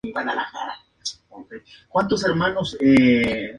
No se informa ni del lugar ni de su tumba.